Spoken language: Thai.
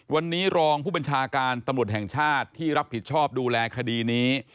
วันนี้รองผู้บัญชาการตำรวจแห่งชาติที่รับผิดชอบดูแลคดีนี้